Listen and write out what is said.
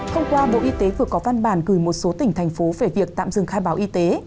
hôm qua bộ y tế vừa có văn bản gửi một số tỉnh thành phố về việc tạm dừng khai báo y tế